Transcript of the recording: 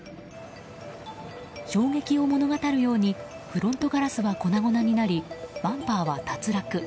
衝撃を物語るようにフロントガラスは粉々になりバンパーは脱落。